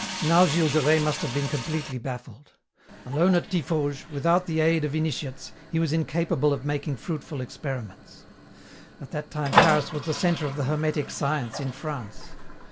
Now Gilles de Rais must have been completely baffled. Alone at Tiffauges, without the aid of initiates, he was incapable of making fruitful experiments. At that time Paris was the centre of the hermetic science in France.